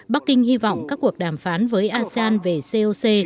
bắc kinh hy vọng các cuộc đàm phán với asean về coc